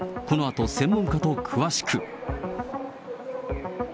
このあと、専門家と詳しく。